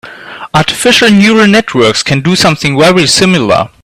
Artificial neural networks can do something very similar.